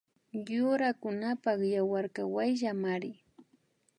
Yurakunapak yawarkaka wayllamari